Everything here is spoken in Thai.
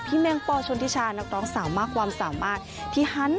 พี่ป่อค่ะสวัสดีค่ะค่ะสวัสดีค่ะ